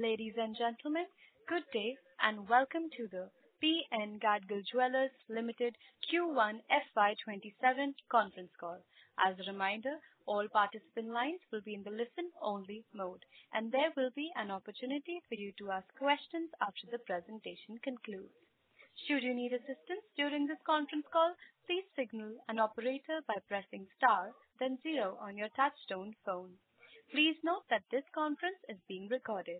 Ladies and gentlemen, good day and welcome to the P N Gadgil Jewellers Limited Q1 FY 2027 conference call. As a reminder, all participant lines will be in the listen-only mode, and there will be an opportunity for you to ask questions after the presentation concludes. Should you need assistance during this conference call, please signal an operator by pressing star then zero on your touchtone phone. Please note that this conference is being recorded.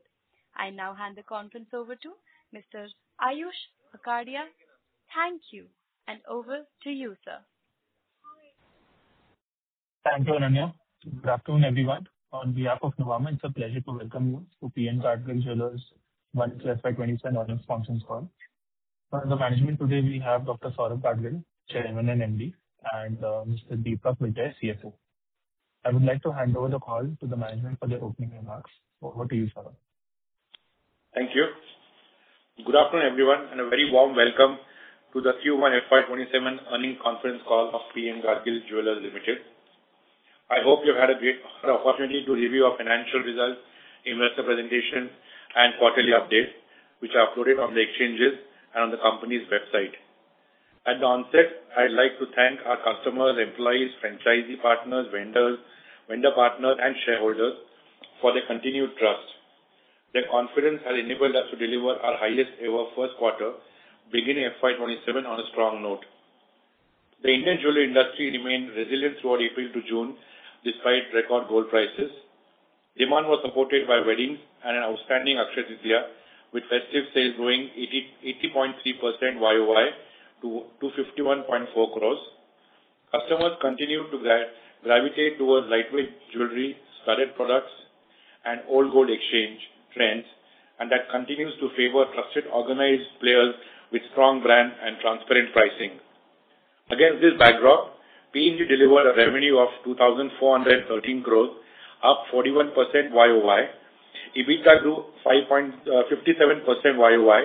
I now hand the conference over to Mr. Ayush Akadia. Thank you, and over to you, sir. Thank you, Ananya. Good afternoon, everyone. On behalf of Nuvama, it's a pleasure to welcome you to P N Gadgil Jewellers' Q1 FY 2027 earnings conference call. From the management today we have Dr. Saurabh Gadgil, Chairman and MD, and Mr. Deepak Vijay, CFO. I would like to hand over the call to the management for their opening remarks. Over to you, Saurabh. Thank you. Good afternoon, everyone, and a very warm welcome to the Q1 FY 2027 earnings conference call of P N Gadgil Jewellers Limited. I hope you've had a great opportunity to review our financial results, investor presentation, and quarterly updates, which are uploaded on the exchanges and on the company's website. At the onset, I'd like to thank our customers, employees, franchisee partners, vendors, vendor partners, and shareholders for their continued trust. Their confidence has enabled us to deliver our highest-ever first quarter, beginning FY 2027 on a strong note. The Indian jewelry industry remained resilient throughout April to June, despite record gold prices. Demand was supported by weddings and an outstanding Akshaya Tritiya, with festive sales growing 80.3% YoY to 51.4 crores. Customers continue to gravitate towards lightweight jewelry, studded products, and old gold exchange trends. That continues to favor trusted organized players with strong brand and transparent pricing. Against this backdrop, PNG delivered a revenue of 2,413 crores, up 41% YoY. EBITDA grew 57% YoY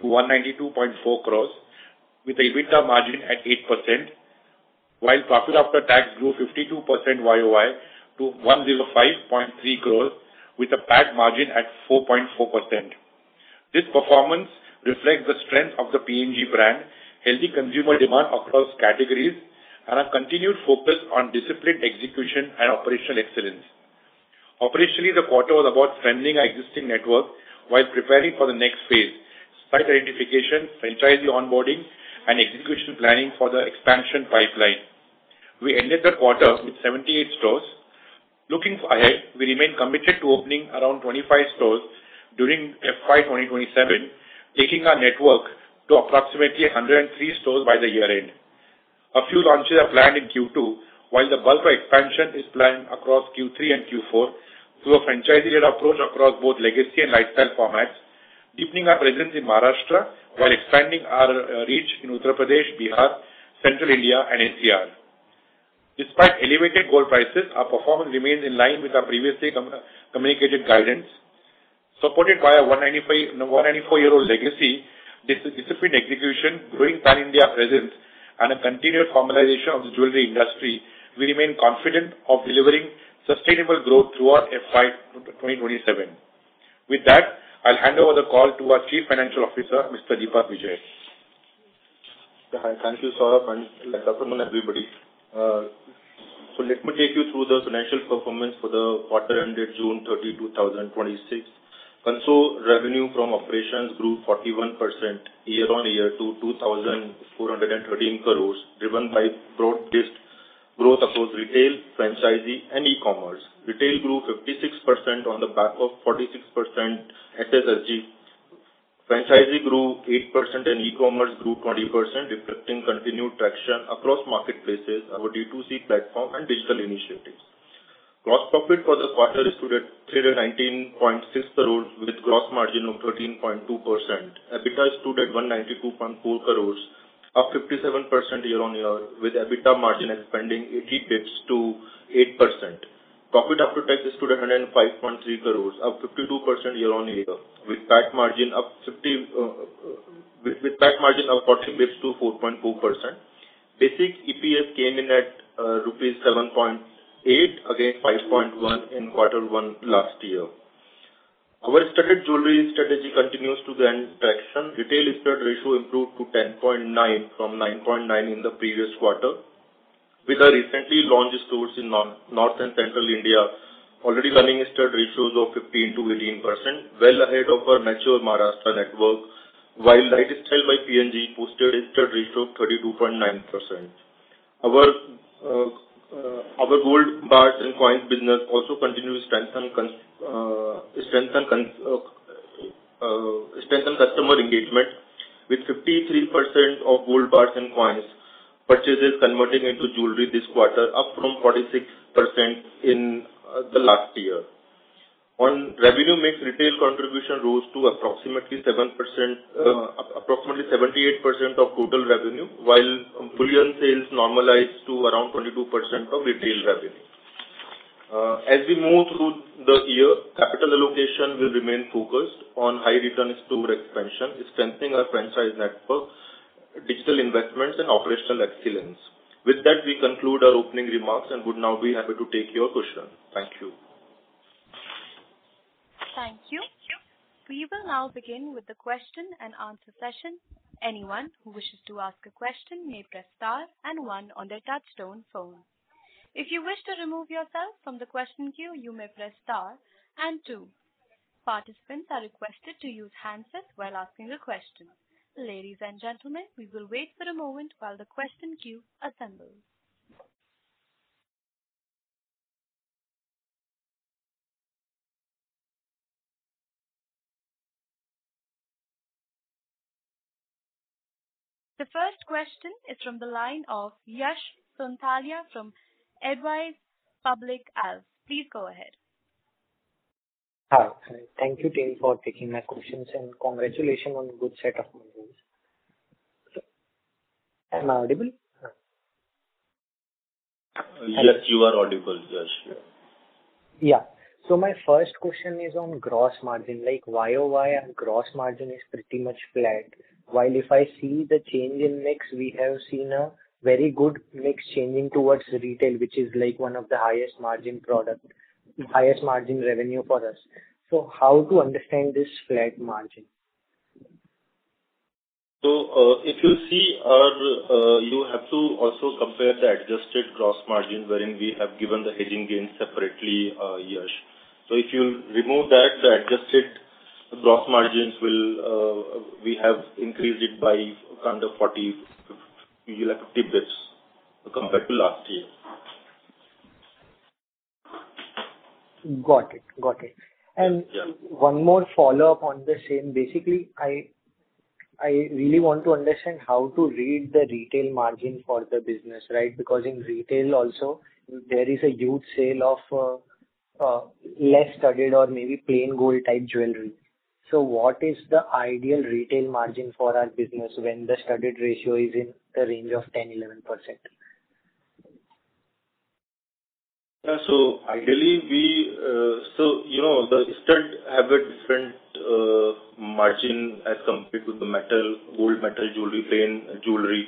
to 192.4 crores, with the EBITDA margin at 8%, while PAT grew 52% YoY to 105.3 crores, with a PAT margin at 4.4%. This performance reflects the strength of the PNG brand, healthy consumer demand across categories, and a continued focus on disciplined execution and operational excellence. Operationally, the quarter was about strengthening our existing network while preparing for the next phase. Site identification, franchisee onboarding, and execution planning for the expansion pipeline. We ended the quarter with 78 stores. Looking ahead, we remain committed to opening around 25 stores during FY 2027, taking our network to approximately 103 stores by the year-end. A few launches are planned in Q2, while the bulk of expansion is planned across Q3 and Q4 through a franchisee-led approach across both legacy and lifestyle formats, deepening our presence in Maharashtra while expanding our reach in Uttar Pradesh, Bihar, Central India and NCR. Despite elevated gold prices, our performance remains in line with our previously communicated guidance. Supported by a 194-year-old legacy, disciplined execution, growing PAN-India presence, and a continued formalization of the jewelry industry, we remain confident of delivering sustainable growth throughout FY 2027. With that, I'll hand over the call to our Chief Financial Officer, Mr. Deepak Vijay. Thank you, Saurabh, and good afternoon, everybody. Let me take you through the financial performance for the quarter ended June 30, 2026. Conso revenue from operations grew 41% year-over-year to 2,413 crores, driven by broad-based growth across retail, franchisee, and e-commerce. Retail grew 56% on the back of 46% SSG. Franchisee grew 8% and e-commerce grew 20%, reflecting continued traction across marketplaces, our D2C platform, and digital initiatives. Gross profit for the quarter stood at 119.6 crores with gross margin of 13.2%. EBITDA stood at 192.4 crores, up 57% year-over-year, with EBITDA margin expanding 80 basis points to 8%. Profit after tax stood at 105.3 crores, up 52% year-over-year, with PAT margin up 40 basis points to 4.4%. Basic EPS came in at rupees 7.8 against 5.1 in quarter one last year. Our studded jewelry strategy continues to gain traction. Retail studded ratio improved to 10.9 from 9.9 in the previous quarter, with our recently launched stores in North and Central India already running studded ratios of 15%-18%, well ahead of our mature Maharashtra network. While LiteStyle by PNG posted a studded ratio of 32.9%. Our gold bars and coins business also continues to strengthen customer engagement, with 53% of gold bars and coins purchases converting into jewelry this quarter, up from 46% in the last year. On revenue mix, retail contribution rose to approximately 78% of total revenue, while bullion sales normalized to around 22% of retail revenue. As we move through the year, capital allocation will remain focused on high return store expansion, strengthening our franchise network, Digital investments and operational excellence. With that, we conclude our opening remarks and would now be happy to take your questions. Thank you. Thank you. We will now begin with the question and answer session. Anyone who wishes to ask a question may press star and one on their touchtone phone. If you wish to remove yourself from the question queue, you may press star and two. Participants are requested to use handsets while asking the question. Ladies and gentlemen, we will wait for a moment while the question queue assembles. The first question is from the line of Yash Sonthalia from Edwise. Please go ahead. Hi. Thank you team for taking my questions, and congratulations on a good set of numbers. Am I audible? Yes, you are audible, Yash. Yeah. Yeah. My first question is on gross margin. Why our gross margin is pretty much flat? While if I see the change in mix, we have seen a very good mix changing towards retail, which is one of the highest margin revenue for us. How to understand this flat margin? If you see, you have to also compare the adjusted gross margin, wherein we have given the hedging gains separately, Yash. If you remove that, the adjusted gross margins, we have increased it by kind of 40, you'll have to compare this compared to last year. Got it. Yeah. One more follow-up on the same. Basically, I really want to understand how to read the retail margin for the business, right? Because in retail also, there is a huge sale of less studded or maybe plain gold type jewelry. What is the ideal retail margin for our business when the studded ratio is in the range of 10%-11%? Yeah. The stud have a different margin as compared to the gold metal jewelry, plain jewelry.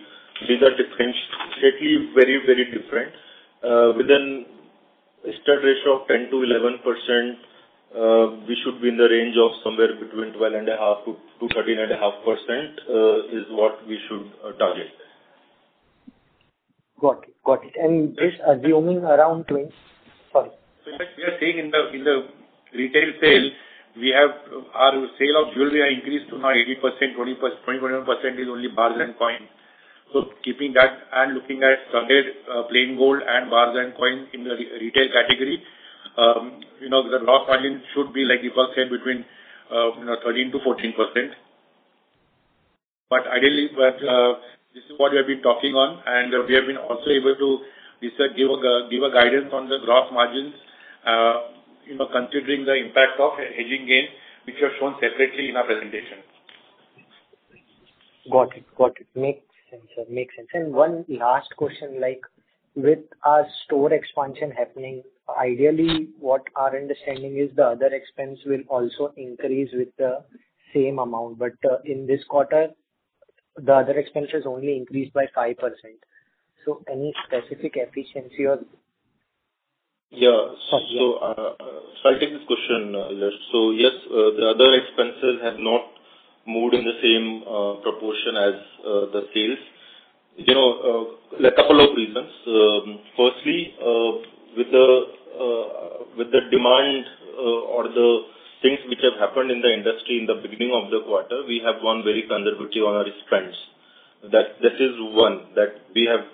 These are distinctly very different. Within a stud ratio of 10%-11%, we should be in the range of somewhere between 12.5%-13.5%, is what we should target. Got it. This assuming around 20 Sorry. We are saying in the retail sale, our sale of jewelry increased to now 80%, 20% is only bars and coins. Keeping that and looking at studded plain gold and bars and coins in the retail category, the gross margin should be like you first said, between 13%-14%. Ideally, this is what we have been talking on, and we have been also able to give a guidance on the gross margins, considering the impact of hedging gains, which are shown separately in our presentation. Got it. Makes sense. One last question. With our store expansion happening, ideally, what our understanding is the other expense will also increase with the same amount. In this quarter, the other expenses only increased by 5%. Any specific efficiency or I'll take this question, Yash. Yes, the other expenses have not moved in the same proportion as the sales. A couple of reasons. Firstly, with the demand or the things which have happened in the industry in the beginning of the quarter, we have gone very conservative on our expense. That is one, that we have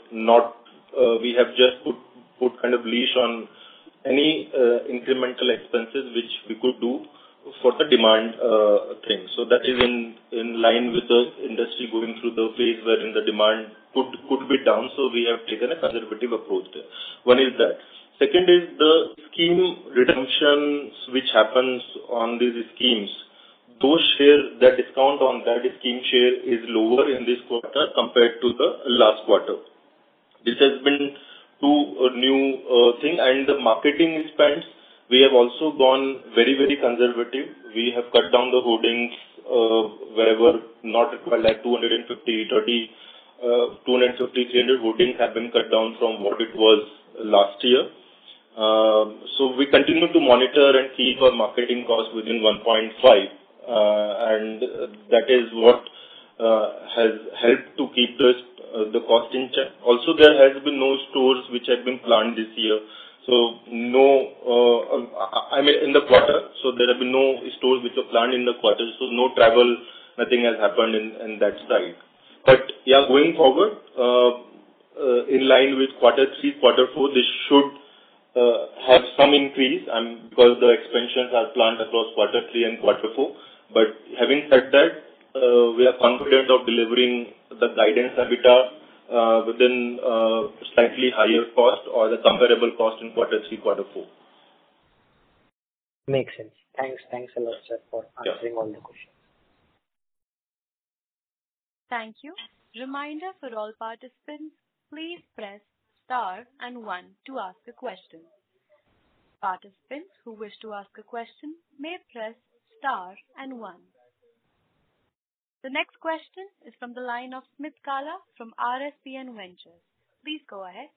just put kind of leash on any incremental expenses which we could do for the demand thing. That is in line with the industry going through the phase wherein the demand could be down. We have taken a conservative approach there. One is that. Second is the scheme redemptions which happens on these schemes. The discount on that scheme share is lower in this quarter compared to the last quarter. This has been two new thing. The marketing expense, we have also gone very conservative. We have cut down the hoardings wherever, not required, 250, 300 hoardings have been cut down from what it was last year. We continue to monitor and keep our marketing cost within 1.5%, that is what has helped to keep the cost in check. There has been no stores which have been planned in the quarter, no travel, nothing has happened in that side. Going forward, in line with quarter three, quarter four, this should have some increase because the expansions are planned across quarter three and quarter four. Having said that, we are confident of delivering the guidance EBITDA within slightly higher cost or the comparable cost in quarter three, quarter four. Makes sense. Thanks a lot, sir, for answering all the questions. Thank you. Reminder for all participants, please press Star and one to ask a question. Participants who wish to ask a question may press star and one. The next question is from the line of Smit Kala from RSPN Ventures. Please go ahead.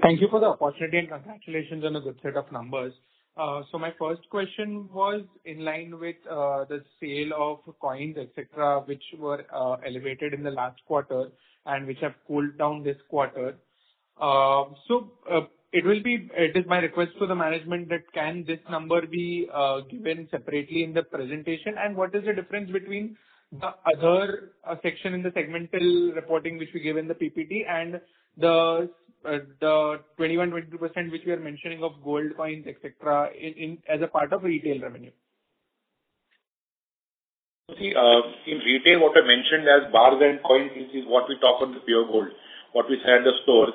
Thank you for the opportunity and congratulations on a good set of numbers. My first question was in line with the sale of coins, et cetera, which were elevated in the last quarter and which have cooled down this quarter. It is my request to the management that can this number be given separately in the presentation? What is the difference between the other section in the segmental reporting which we give in the PPT and the 21, 22% which we are mentioning of gold coins, et cetera, as a part of retail revenue? In retail what I mentioned as bars and coins, this is what we talk of the pure gold, what we sell at the store.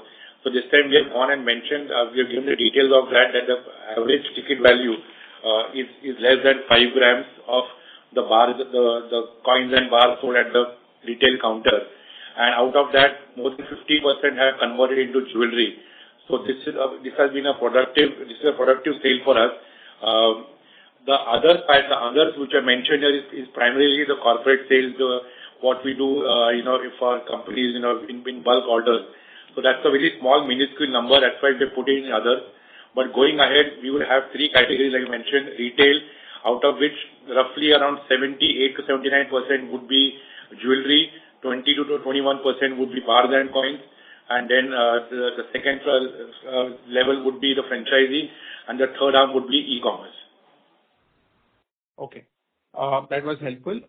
This time we have gone and mentioned, we have given the details of that the average ticket value is less than five grams of the coins and bars sold at the retail counter. Out of that, more than 50% have converted into jewelry. This is a productive sale for us. The others which I mentioned is primarily the corporate sales, what we do if our companies in bulk orders. That's a very small, minuscule number. That's why we put it in other. Going ahead, we would have 3 categories, like I mentioned, retail, out of which roughly around 78%-79% would be jewelry, 20%-21% would be bars and coins, and then the 2nd level would be the franchising, and the 3rd arm would be e-commerce. Okay. That was helpful.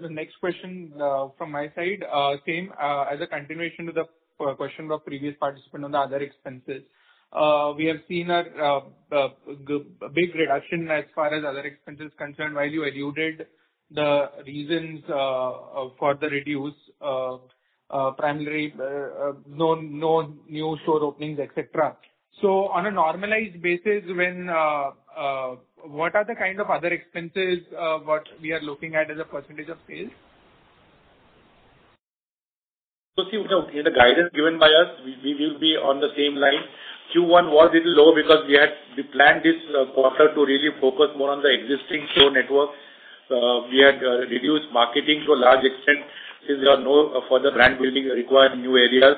The next question from my side, same, as a continuation to the question of previous participant on the other expenses. We have seen a big reduction as far as other expenses concerned while you alluded the reasons for the reduction, primarily no new store openings, et cetera. On a normalized basis, what are the kind of other expenses what we are looking at as a percentage of sales? See, in the guidance given by us, we will be on the same line. Q1 was little low because we planned this quarter to really focus more on the existing store network. We had reduced marketing to a large extent since there are no further brand building required in new areas,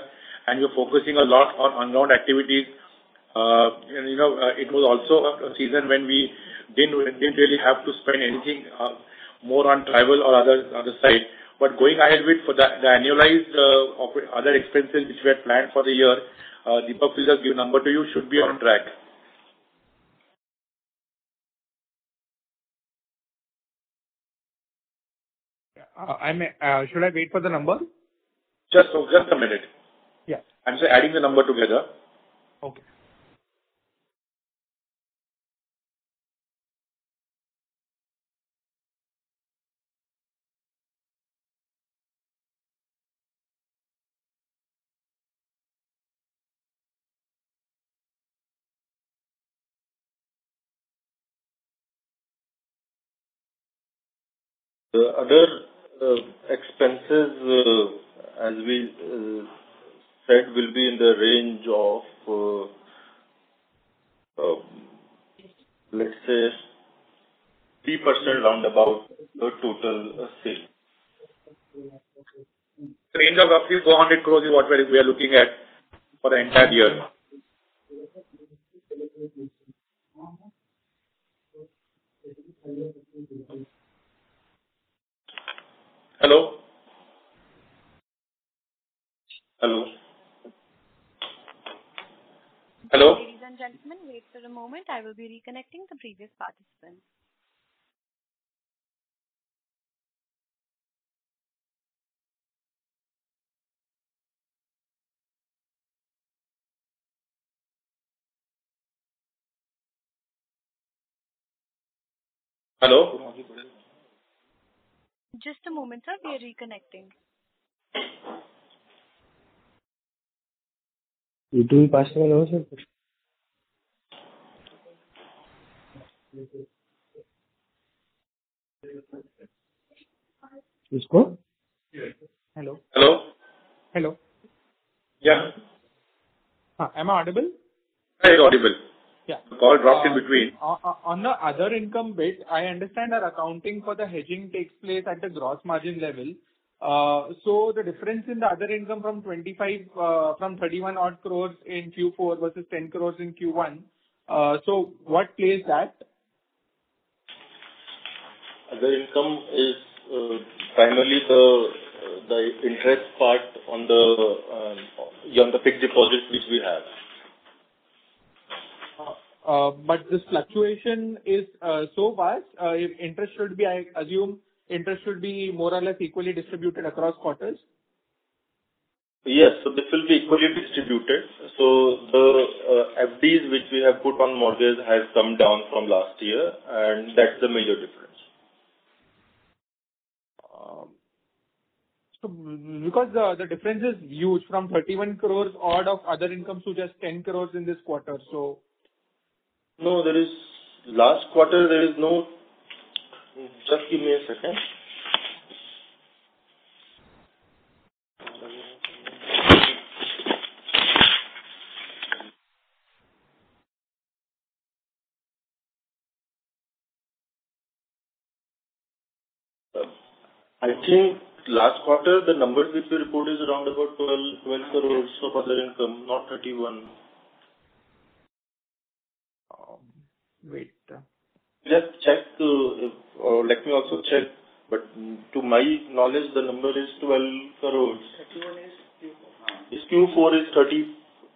and we're focusing a lot on onground activities. It was also a season when we didn't really have to spend anything more on travel or other side. Going ahead with the annualized other expenses which we had planned for the year, Deepak will just give number to you, should be on track. Should I wait for the number? Just a minute. Yeah. I'm just adding the number together. Okay. The other expenses, as we said, will be in the range of, let's say, 3% round about the total sale. Range of roughly 200 crores is whatever we are looking at for the entire year. Hello? Hello? Hello? Ladies and gentlemen, wait for a moment. I will be reconnecting the previous participant. Hello? Just a moment, sir. We are reconnecting. You doing pass through now, sir? Hello. Hello. Hello. Yeah. Am I audible? Yes, audible. Yeah. The call dropped in between. On the other income bit, I understand that accounting for the hedging takes place at the gross margin level. The difference in the other income from 31 odd crores in Q4 versus 10 crores in Q1. What plays that? Other income is primarily the interest part on the fixed deposits which we have. This fluctuation is so vast. I assume interest should be more or less equally distributed across quarters. This will be equally distributed. The FDs which we have put on mortgage has come down from last year, and that's the major difference. The difference is huge, from 31 crores odd of other income to just 10 crores in this quarter. No. Last quarter, just give me a second. I think last quarter, the number which we reported is around about 12 crore of other income, not 31. Wait. Just check. Let me also check, to my knowledge, the number is 12 crores. 31 is Q4. Is Q4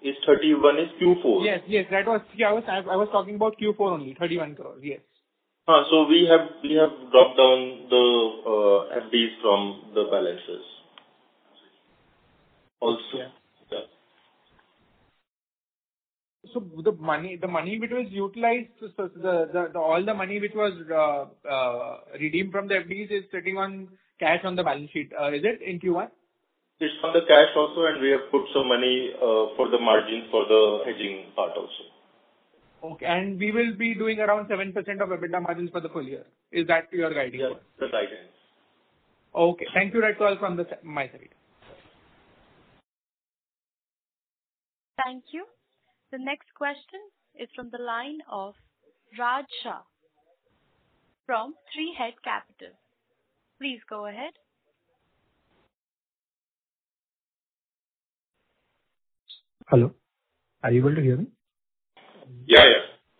is 31 is Q4? Yes. I was talking about Q4 only, 31 crores. Yes. We have dropped down the FDs from the balances also. Yeah. All the money which was redeemed from the FDs is sitting on cash on the balance sheet, is it in Q1? It's on the cash also, and we have put some money for the margin for the hedging part also. Okay. We will be doing around 7% of EBITDA margins for the full year. Is that your guidance? Yes, the guidance. Okay. Thank you, Rakshal, from my side. Thank you. The next question is from the line of Raj Shah from Three Head Capital. Please go ahead. Hello. Are you able to hear me? Yeah.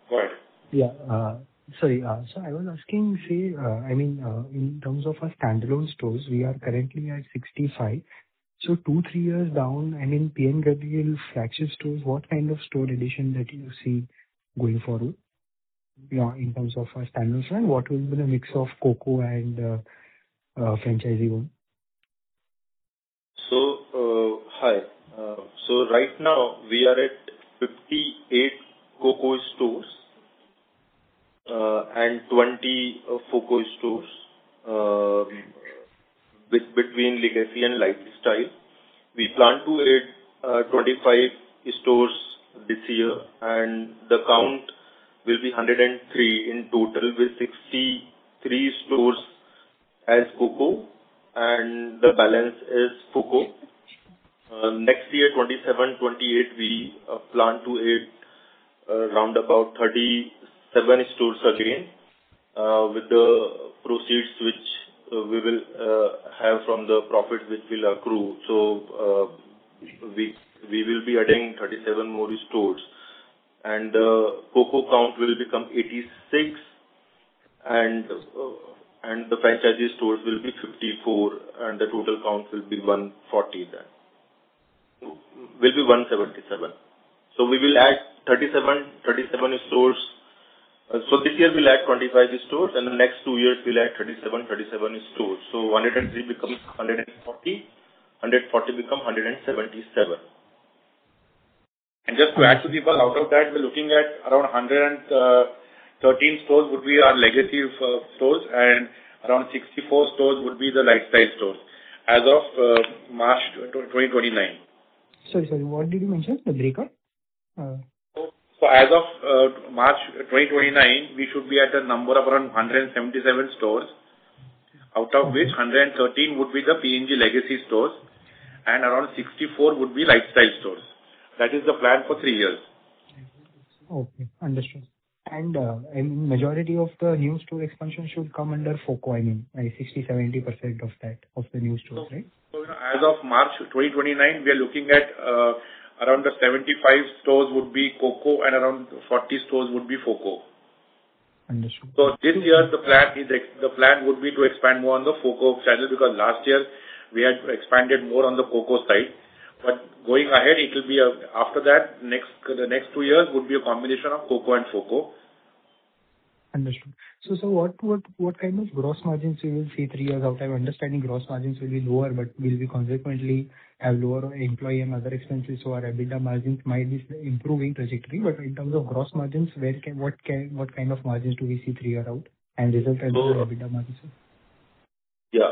Go ahead. Yeah. Sorry. I was asking, in terms of our standalone stores, we are currently at 65. Two, three years down and in P N Gadgil franchise stores, what kind of store addition do you see going forward in terms of our standalone? What will be the mix of COCO and franchisee one? Hi. Right now we are at 58 COCO stores, and 20 FOCO stores, between legacy and LiteStyle. We plan to add 25 stores this year, and the count will be 103 in total, with 63 stores as COCO and the balance is FOCO. Next year, 2027, 2028, we plan to add around about 37 stores again, with the proceeds which we will have from the profit which will accrue. We will be adding 37 more stores. The COCO count will become 86, and the franchisee stores will be 54, and the total count will be 140 then. Will be 177. We will add 37 stores. This year we'll add 25 stores, and the next two years we'll add 37 stores. 103 becomes 140 become 177. Just to add to that, out of that, we're looking at around 113 stores would be our legacy stores, and around 64 stores would be the LiteStyle stores as of March 2029. Sorry. What did you mention, the breakup? As of March 2029, we should be at a number of around 177 stores, out of which 113 would be the PNG legacy stores and around 64 would be LiteStyle stores. That is the plan for three years. Okay, understood. Majority of the new store expansion should come under FOCO, I mean, 60%-70% of the new stores, right? As of March 2029, we are looking at around the 75 stores would be COCO and around 40 stores would be FOCO. Understood. This year the plan would be to expand more on the FOCO side because last year we had expanded more on the COCO side. Going ahead, after that, the next two years would be a combination of COCO and FOCO. Understood. What kind of gross margins you will see three years out? I'm understanding gross margins will be lower, but we'll be consequently have lower employee and other expenses, so our EBITDA margins might be improving trajectory. In terms of gross margins, what kind of margins do we see three years out and resultant EBITDA margin, sir? Yeah.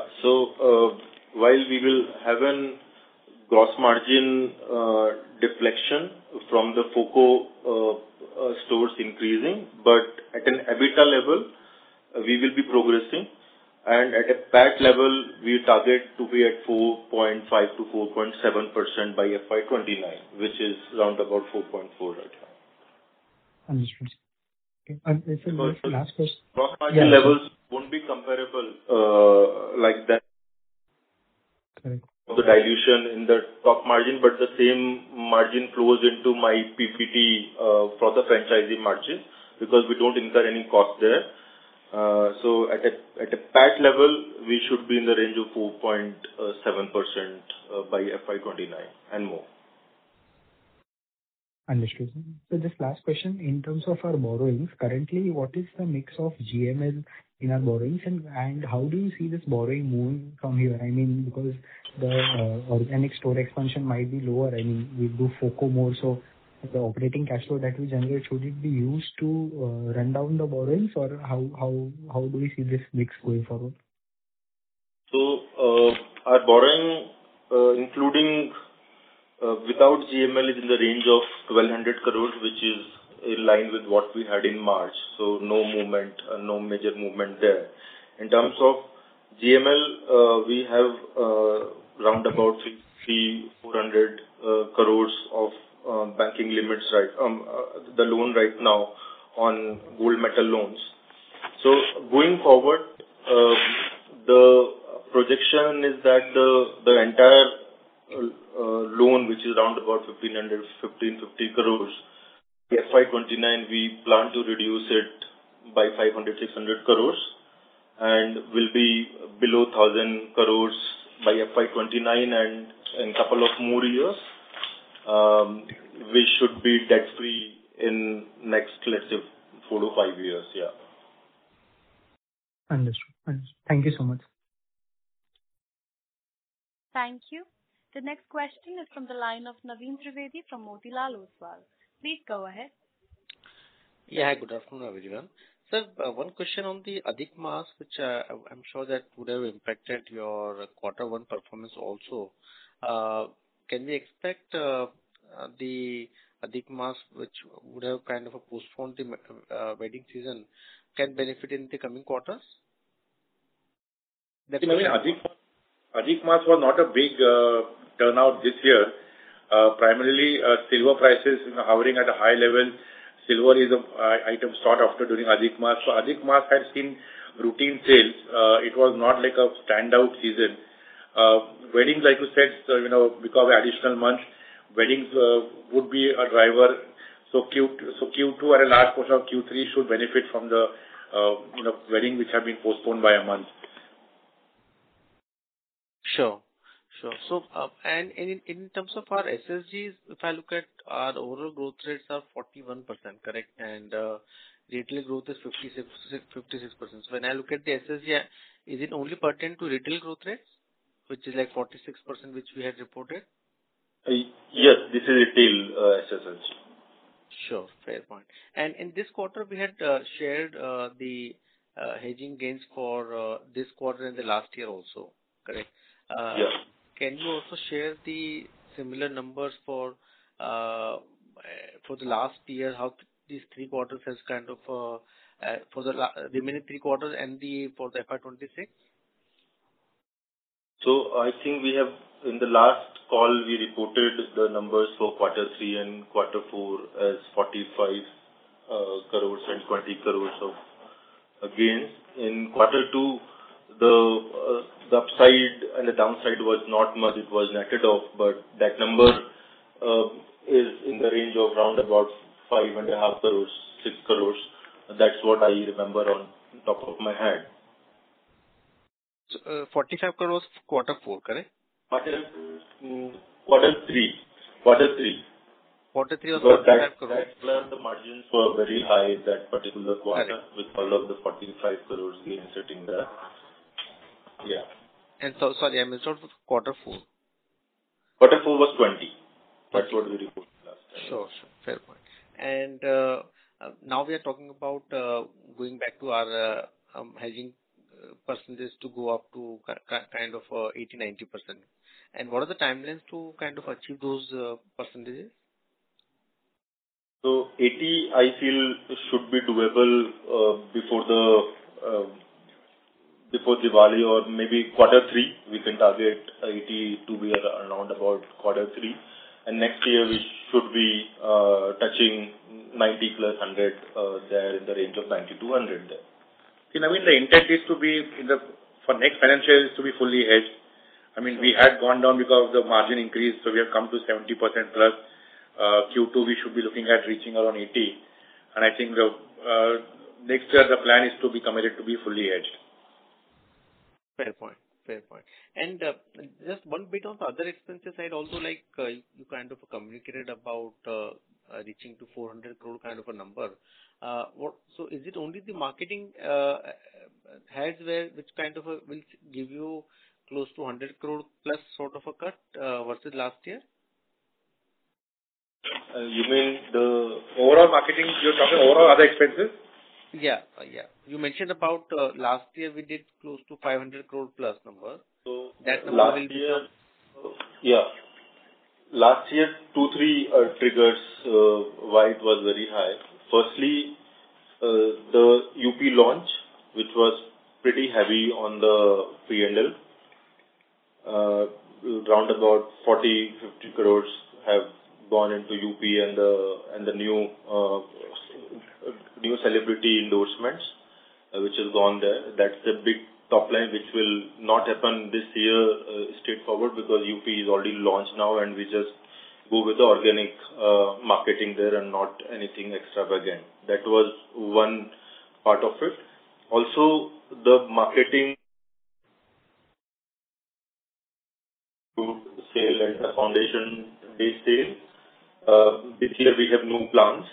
While we will have a gross margin deflection from the FOCO stores increasing, but at an EBITDA level, we will be progressing. At a PAT level, we target to be at 4.5%-4.7% by FY 2029, which is around about 4.4% right now. Understood. If I move to the last question. Gross margin levels won't be comparable like that. Correct. The dilution in the top margin, but the same margin flows into my PPT for the franchisee margin because we don't incur any cost there. At a PAT level, we should be in the range of 4.7% by FY 2029 and more. Understood. Just last question, in terms of our borrowings currently, what is the mix of GML in our borrowings and how do you see this borrowing moving from here? Because the organic store expansion might be lower. We do FOCO more, the operating cash flow that we generate, should it be used to run down the borrowings or how do we see this mix going forward? Our borrowing, without GML, is in the range of 1,200 crores, which is in line with what we had in March. No major movement there. GML, we have around about 3,400 crores of banking limits, the loan right now on gold metal loans. Going forward, the projection is that the entire loan, which is around about 1,550 crores, FY 2029, we plan to reduce it by 500 crores-600 crores and will be below 1,000 crores by FY 2029 and in couple of more years, we should be debt-free in next, let's say, 4-5 years. Yeah. Understood. Thank you so much. Thank you. The next question is from the line of Naveen Trivedi from Motilal Oswal. Please go ahead. Good afternoon, everyone. Sir, one question on the Adhik Maas, which I am sure that would have impacted your quarter one performance also. Can we expect the Adhik Maas, which would have postponed the wedding season, can benefit in the coming quarters? Adhik Maas was not a big turnout this year. Primarily, silver prices hovering at a high level. Silver is an item sought after during Adhik Maas. Adhik Maas has seen routine sales. It was not like a standout season. Weddings, like you said, sir, because of the additional month, weddings would be a driver. Q2 or a large portion of Q3 should benefit from the wedding which have been postponed by a month. Sure. In terms of our SSGs, if I look at our overall growth rates are 41%, correct? Retail growth is 56%. When I look at the SSG, is it only pertinent to retail growth rates, which is like 46%, which we had reported? Yes, this is retail SSG. Sure. Fair point. In this quarter, we had shared the hedging gains for this quarter and the last year also, correct? Yes. Can you also share the similar numbers for the last year, how these three quarters has kind of, for the remaining three quarters and for the FY 2026? I think in the last call, we reported the numbers for Quarter 3 and Quarter 4 as 45 crores and 20 crores of gains. In Quarter 2, the upside and the downside was not much. It was netted off. That number is in the range of around about five and a half crores, six crores. That's what I remember on top of my head. 45 crores Quarter 4, correct? Quarter 3. Quarter 3 was 45 crores? That plus the margins were very high that particular quarter with all of the 45 crores gains sitting there. Yeah. Sorry, I missed out Quarter 4. Quarter 4 was 20. That's what we reported last time. Sure. Fair point. Now we are talking about going back to our hedging percentage to go up to 80%, 90%. What are the timelines to achieve those percentages? 80, I feel should be doable before Diwali or maybe Quarter 3, we can target 80 to be around about Quarter 3. Next year we should be touching 90 plus 100, in the range of 90 to 100 there. I mean, the intent for next financial is to be fully hedged. We had gone down because of the margin increase, so we have come to 70% plus. Q2, we should be looking at reaching around 80. I think next year the plan is to be committed to be fully hedged. Fair point. Just one bit of other expenses I'd also like, you kind of communicated about reaching to 400 crore kind of a number. Is it only the marketing heads where which will give you close to 100 crore plus sort of a cut, versus last year? You mean the overall marketing, you're talking overall other expenses? Yeah. You mentioned about last year we did close to 500 crore plus number. Yeah. Last year, two, three triggers why it was very high. Firstly, the UP launch, which was pretty heavy on the PNL. Around about 40-50 crore have gone into UP and the new celebrity endorsements, which has gone there. That's a big top line, which will not happen this year straightforward because UP is already launched now and we just go with the organic marketing there and not anything extravagant. That was one part of it. Also, the marketing to sale and foundation day sale. This year we have no plans.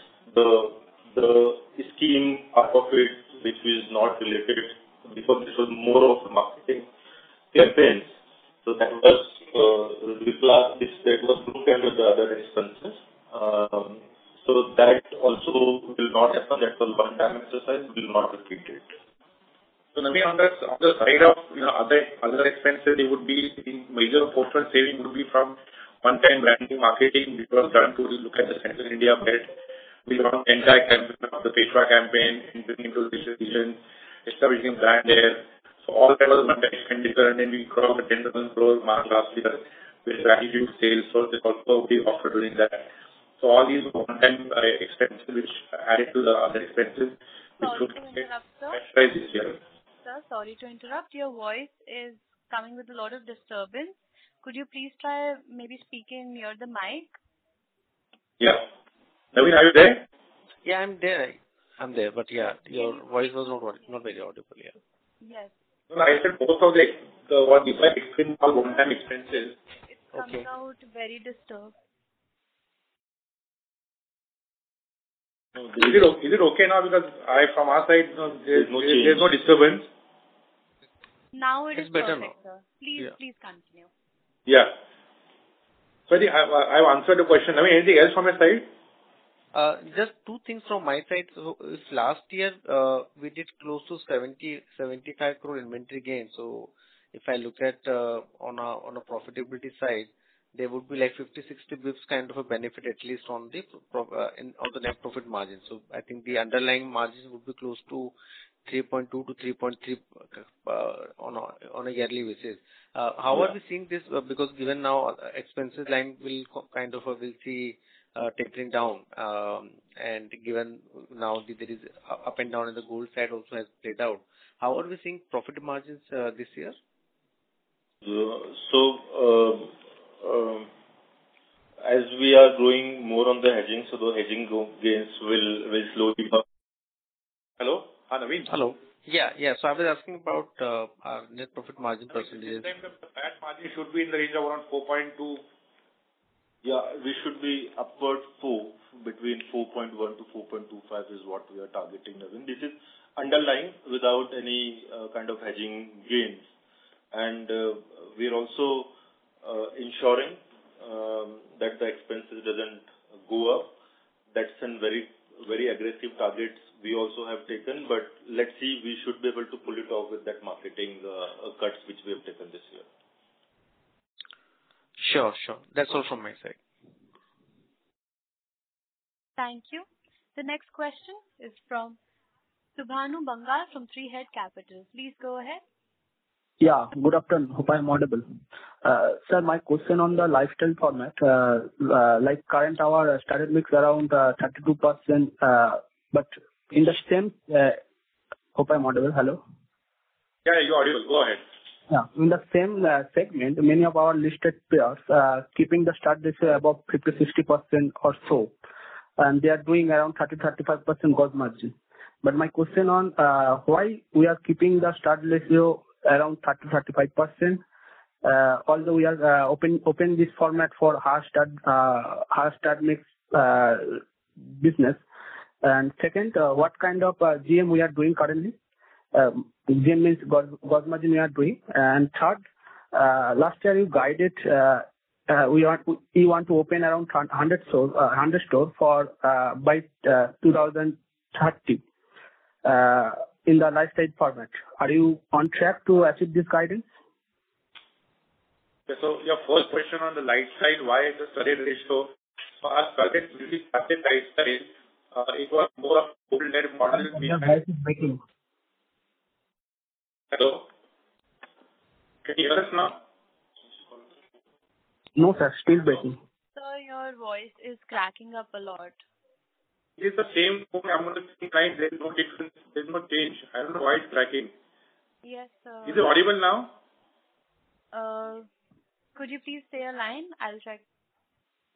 The scheme part of it, which is not related because this was more of marketing campaigns. That was looked at with the other expenses. That also will not happen. That was one-time exercise, will not repeat it. Naveen, on the side of other expenses, major portion saving would be from one-time branding, marketing, which was done to look at the Central India belt. We got entire campaign of the Petra campaign into decision, establishing brand there. All levels different and we crossed the $10 million mark last year with gratitude sales. They also will be offered during that. All these one-time expenses which added to the other expenses. Sorry to interrupt, sir. Sir, sorry to interrupt. Your voice is coming with a lot of disturbance. Could you please try maybe speaking near the mic? Yeah. Naveen, are you there? Yeah, I'm there. Yeah, your voice was not very audible. Yeah. Yes. No, I said both of the, what we might call one-time expenses. It's coming out very disturbed. Is it okay now? From our side, there's no disturbance. It is better, sir. It's better now. Please continue. I think I've answered the question. Naveen, anything else from your side? Just two things from my side. This last year, we did close to 75 million inventory gain. If I look at on a profitability side, there would be like 50, 60 basis point kind of a benefit at least on the net profit margin. I think the underlying margins would be close to 3.2 to 3.3 on a yearly basis. How are we seeing this? Given now our expenses line will kind of we'll see tapering down, and given now that there is up and down in the gold side also has played out. How are we seeing profit margins this year? As we are growing more on the hedging, so the hedging gains will slowly Hello? Hi, Naveen. Hello. Yeah. I was asking about our net profit margin percentages. That margin should be in the range of around 4.2. Yeah, we should be upwards four, between 4.1-4.25 is what we are targeting. I mean, this is underlying without any kind of hedging gains. We are also ensuring that the expenses doesn't go up. That's a very aggressive target we also have taken, but let's see, we should be able to pull it off with that marketing cuts which we have taken this year. Sure. That's all from my side. Thank you. The next question is from Subhanu Bangal from Three Head Capital. Please go ahead. Yeah, good afternoon. Hope I am audible. Sir, my question on the LiteStyle format. Like current, our stud mix around 32%. Hello? Yeah, your audio. Go ahead. Yeah. In the same segment, many of our listed peers are keeping the stud ratio above 50%-60% or so, they are doing around 30%-35% gross margin. My question on why we are keeping the stud ratio around 30%-35% although we have opened this format for high stud mix business. Second, what kind of GM we are doing currently? GM means gross margin we are doing. Third, last year you guided you want to open around 100 stores by 2030 in the LiteStyle format. Are you on track to achieve this guidance? Your first question on the LiteStyle, why is the stud ratio? Hello? Can you hear us now? No, sir. Still breaking. Sir, your voice is cracking up a lot. It's the same. Okay, I'm going to try. There's no difference. There's no change. I don't know why it's cracking. Yes, sir. Is it audible now? Could you please say a line? I'll check.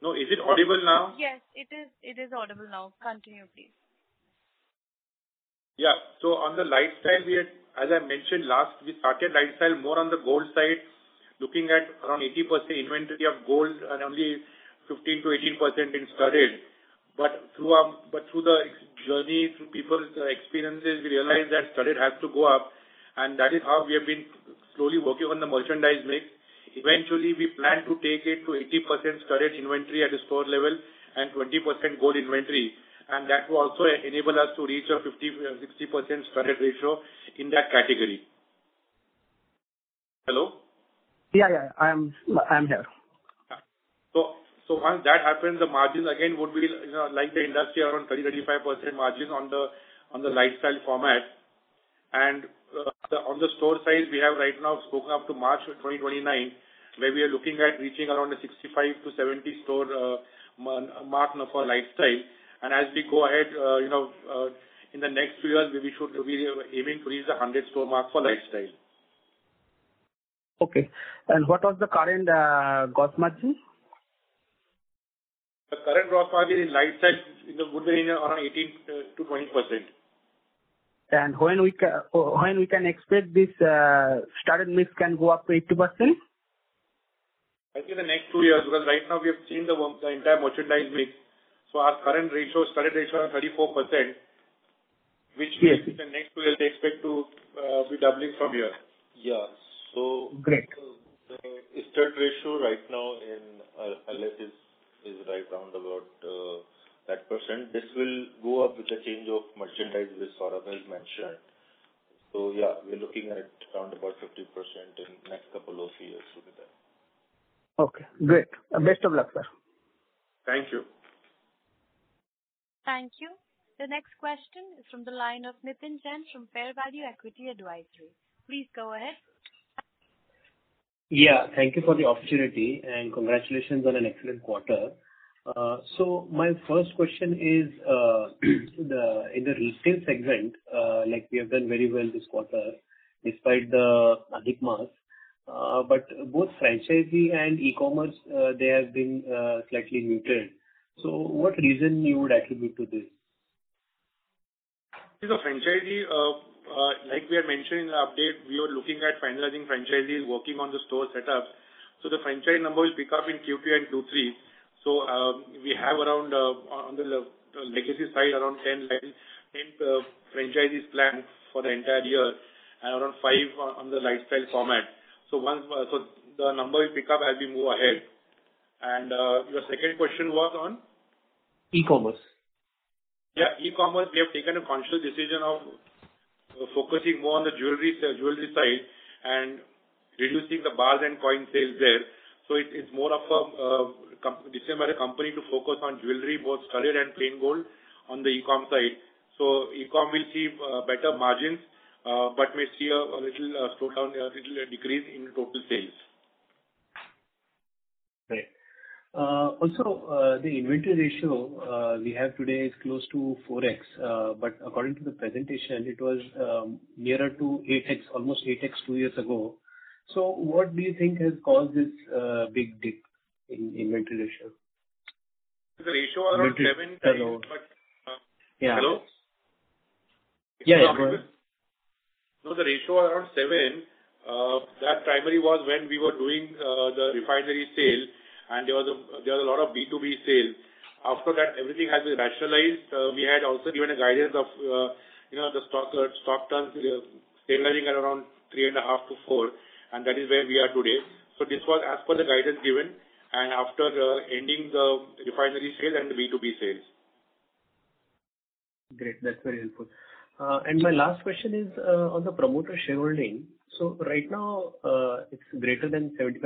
No. Is it audible now? Yes, it is audible now. Continue, please. Yeah. On the LiteStyle, as I mentioned last, we started LiteStyle more on the gold side, looking at around 80% inventory of gold and only 15%-18% in studded. Through the journey, through people's experiences, we realized that studded has to go up, and that is how we have been slowly working on the merchandise mix. Eventually, we plan to take it to 80% studded inventory at a store level and 20% gold inventory, and that will also enable us to reach a 50%-60% studded ratio in that category. Hello? Yeah. I'm here. Once that happens, the margin again would be like the industry, around 30%-35% margins on the LiteStyle format. On the store size, we have right now spoken up to March of 2029, where we are looking at reaching around a 65-70 store mark for LiteStyle. As we go ahead, in the next three years, we should be aiming to reach the 100 store mark for LiteStyle. Okay. What was the current gross margin? The current gross margin in LiteStyle is in the range around 18%-20%. When we can expect this studded mix can go up to 80%? I'd say the next two years, because right now we have changed the entire merchandise mix. Our current studded ratio is 34%, which we expect in next year they expect to be doubling from here. Yeah. Great. The studded ratio right now in LS is right around about that percent. This will go up with the change of merchandise mix Saurabh has mentioned. Yeah, we're looking at around about 50% in next couple of years with that. Okay, great. Best of luck, sir. Thank you. Thank you. The next question is from the line of Nitin Jain from Fairvalue Equity Advisory. Please go ahead. Yeah. Thank you for the opportunity, and congratulations on an excellent quarter. My first question is in the retail segment, like we have done very well this quarter despite the Adhik Maas, but both franchisee and e-commerce, they have been slightly muted. What reason you would attribute to this? See, the franchisee, like we have mentioned in the update, we are looking at finalizing franchisees working on the store setup, the franchise number will pick up in Q2 and Q3. We have around, on the legacy side, around 10 franchisees planned for the entire year and around five on the LiteStyle format. The number will pick up as we move ahead. Your second question was on? E-commerce. Yeah, e-commerce, we have taken a conscious decision of focusing more on the jewelry side and reducing the bars and coin sales there. It's more of a decision by the company to focus on jewelry, both studded and plain gold on the e-com site. E-com will see better margins, but may see a little slowdown there, a little decrease in total sales. Right. Also, the inventory ratio we have today is close to four x, but according to the presentation, it was nearer to eight x, almost eight x two years ago. What do you think has caused this big dip in inventory ratio? The ratio around seven- Hello? Hello. Yeah. The ratio around 7, that primarily was when we were doing the refinery sale and there was a lot of B2B sales. After that, everything has been rationalized. We had also given a guidance of the stock turns stabilizing at around 3 and a half to 4, and that is where we are today. This was as per the guidance given and after ending the refinery sale and B2B sales. Great. That's very helpful. My last question is on the promoter shareholding. Right now it's greater than 75%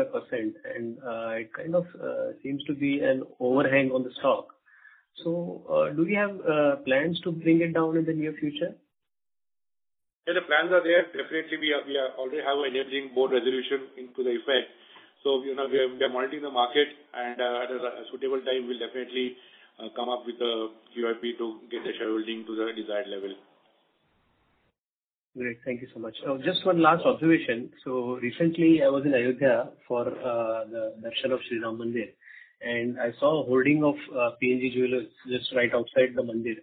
and it kind of seems to be an overhang on the stock. Do we have plans to bring it down in the near future? The plans are there. Definitely, we already have a board resolution into the effect. We are monitoring the market, and at a suitable time, we'll definitely come up with a QIP to get the shareholding to the desired level. Great. Thank you so much. Just one last observation. Recently, I was in Ayodhya for the darshan of Shri Ram Mandir, and I saw a hoarding of PNG Jewellers just right outside the Mandir.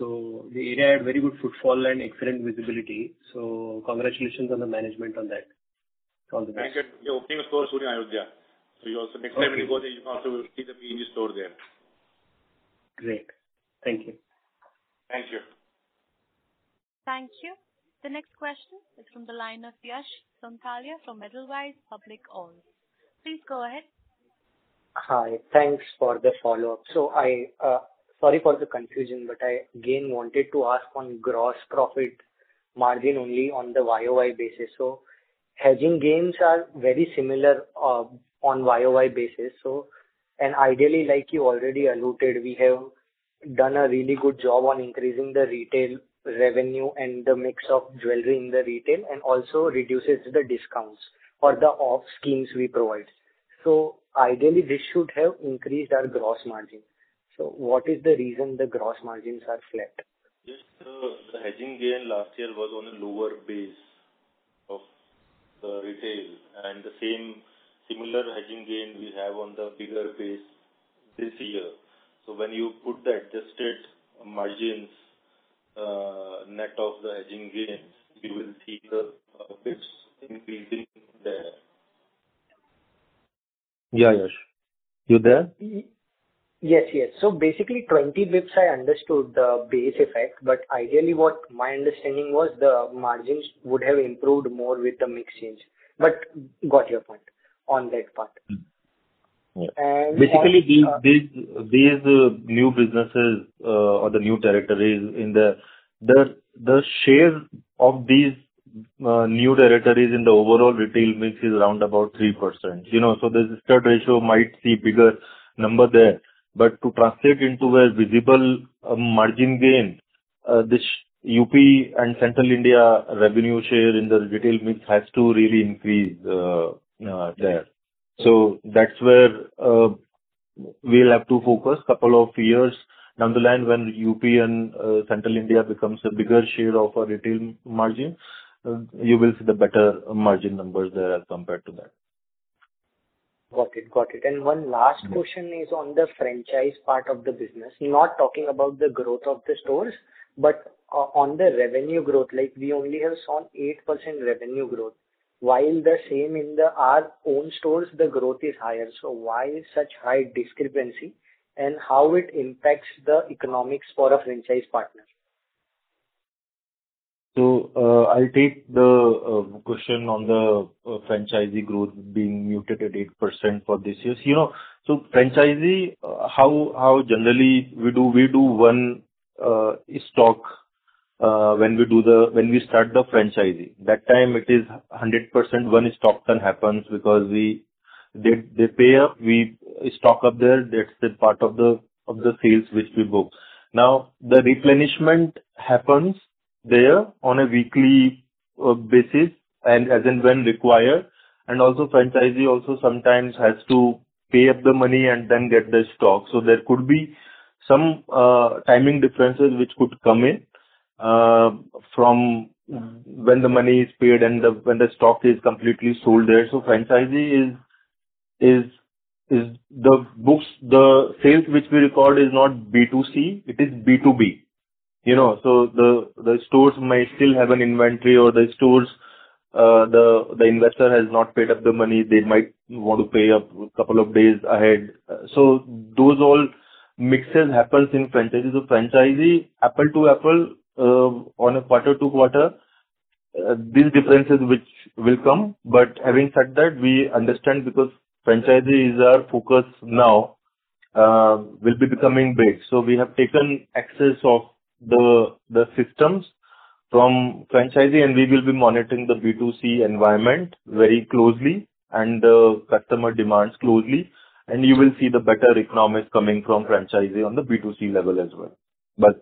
The area had very good footfall and excellent visibility. Congratulations on the management on that. All the best. Thank you. We are opening a store soon in Ayodhya. Okay Next time when you go there, you can also see the PNG store there. Great. Thank you. Thank you. Thank you. The next question is from the line of Yash Sonthalia from Edelweiss. Please go ahead. Hi. Thanks for the follow-up. Sorry for the confusion, I again wanted to ask on gross profit margin only on the YoY basis. Hedging gains are very similar on YoY basis. Ideally, like you already alluded, we have done a really good job on increasing the retail revenue and the mix of jewelry in the retail, and also reduces the discounts or the off schemes we provide. Ideally, this should have increased our gross margin. What is the reason the gross margins are flat? Yes. The hedging gain last year was on a lower base of the retail and the same similar hedging gain we have on the bigger base this year. When you put the adjusted margins net of the hedging gains, you will see the profits increasing there. Yeah, Yash. You there? Yes. Basically 20 basis points, I understood the base effect, ideally what my understanding was the margins would have improved more with the mix change. Got your point on that part. Basically, these new businesses or the new territories, the share of these new territories in the overall retail mix is around about 3%. The sister ratio might see bigger number there, to translate into a visible margin gain, this U.P. and Central India revenue share in the retail mix has to really increase there. That's where we'll have to focus couple of years down the line when U.P. and Central India becomes a bigger share of our retail margin, you will see the better margin numbers there as compared to that. Got it. One last question is on the franchise part of the business, not talking about the growth of the stores, but on the revenue growth. Like we only have seen 8% revenue growth, while the same in our own stores, the growth is higher. Why such high discrepancy and how it impacts the economics for a franchise partner? I'll take the question on the franchisee growth being muted at 8% for this year. Franchisee, how generally we do one stock When we start the franchising, that time it is 100% when stock turn happens because they pay up, we stock up there. That's the part of the sales which we book. Now, the replenishment happens there on a weekly basis and as and when required, and also franchisee also sometimes has to pay up the money and then get the stock. There could be some timing differences which could come in from when the money is paid and when the stock is completely sold there. Franchisee is the books, the sales which we record is not B2C, it is B2B. The stores might still have an inventory or the investor has not paid up the money, they might want to pay up a couple of days ahead. Those all mixes happens in franchises. Franchisee, apple to apple, on a quarter-to-quarter, these differences which will come. Having said that, we understand because franchisee is our focus now, will be becoming big. We have taken access of the systems from franchisee, and we will be monitoring the B2C environment very closely and the customer demands closely, and you will see the better economics coming from franchisee on the B2C level as well.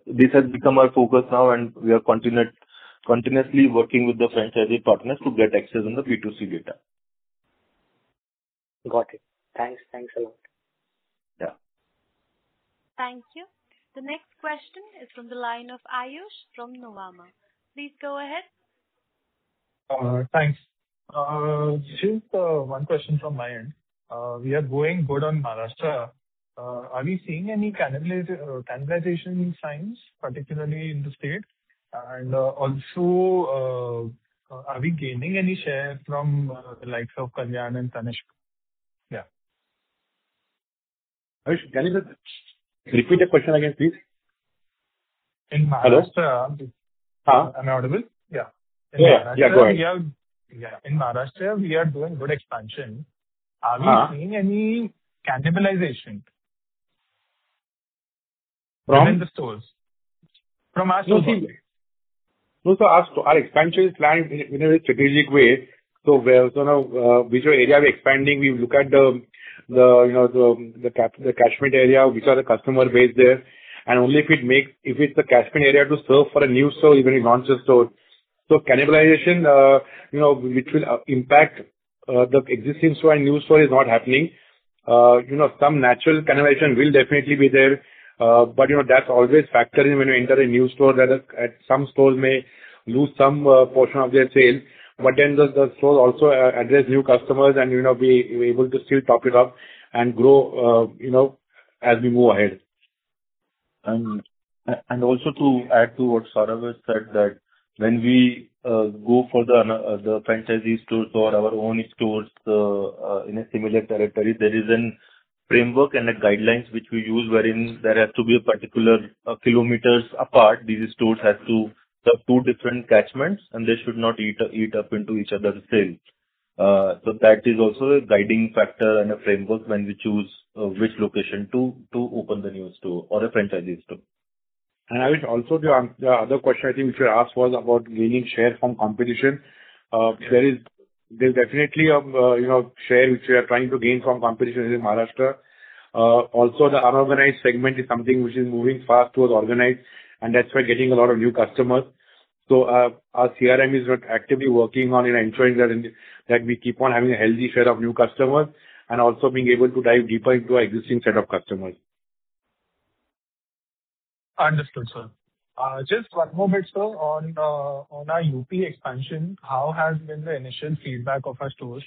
This has become our focus now and we are continuously working with the franchisee partners to get access on the B2C data. Got it. Thanks a lot. Yeah. Thank you. The next question is from the line of Ayush from Nuvama. Please go ahead. Thanks. Just one question from my end. We are going good on Maharashtra. Are we seeing any cannibalization signs, particularly in the state? Also, are we gaining any share from the likes of Kalyan and Tanishq? Ayush, can you just repeat the question again, please? In Maharashtra- Hello? Am I audible? Yeah. Yeah. Go ahead. In Maharashtra, we are doing good expansion. Are we seeing any cannibalization? From? Within the stores. From our stores only. Our expansion is planned in a strategic way. Which area we are expanding, we look at the catchment area, which are the customer base there, only if it's the catchment area to serve for a new store, even a new store. Cannibalization, which will impact the existing store and new store is not happening. Some natural cannibalization will definitely be there. That's always factored in when you enter a new store, that some stores may lose some portion of their sale. Those stores also address new customers and we're able to still top it up and grow as we move ahead. Also to add to what Saurabh has said, that when we go for the franchisee stores or our own stores in a similar territory, there is a framework and guidelines which we use, wherein there has to be a particular kilometers apart. These stores have to serve two different catchments, and they should not eat up into each other's sales. That is also a guiding factor and a framework when we choose which location to open the new store or a franchisee store. Ayush, also the other question I think you asked was about gaining share from competition. There's definitely a share which we are trying to gain from competition within Maharashtra. Also, the unorganized segment is something which is moving fast towards organized, and that's why getting a lot of new customers. Our CRM is actively working on ensuring that we keep on having a healthy share of new customers and also being able to dive deeper into our existing set of customers. Understood, sir. Just one more bit, sir. On our UP expansion, how has been the initial feedback of our stores?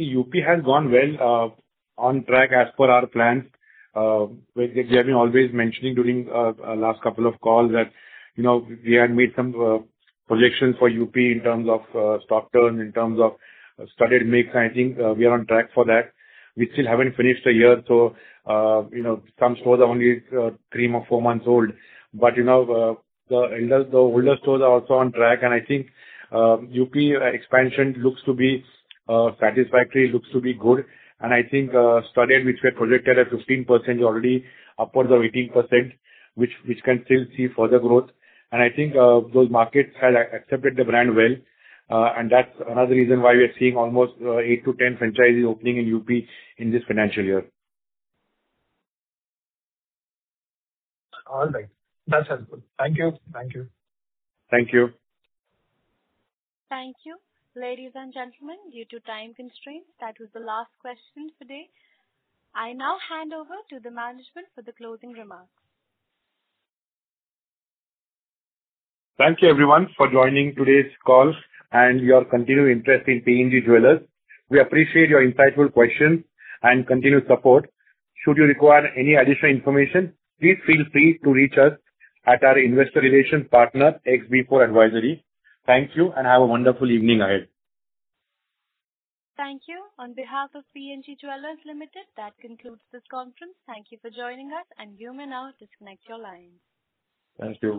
UP has gone well, on track as per our plans. We have been always mentioning during last couple of calls that we had made some projections for UP in terms of stock turn, in terms of studied mix, and I think we are on track for that. We still haven't finished a year, so some stores are only three or four months old. The older stores are also on track, and I think UP expansion looks to be satisfactory, looks to be good. I think studied, which we had projected at 15%, already upwards of 18%, which can still see further growth. I think those markets have accepted the brand well, and that's another reason why we are seeing almost eight to 10 franchises opening in UP in this financial year. All right. That sounds good. Thank you. Thank you. Thank you. Thank you. Ladies and gentlemen, due to time constraints, that was the last question today. I now hand over to the management for the closing remarks. Thank you everyone for joining today's call and your continued interest in P N Gadgil Jewellers. We appreciate your insightful questions and continued support. Should you require any additional information, please feel free to reach us at our investor relation partner, X-B4 Advisory. Thank you, and have a wonderful evening ahead. Thank you. On behalf of P N Gadgil Jewellers Limited, that concludes this conference. Thank you for joining us, and you may now disconnect your lines. Thank you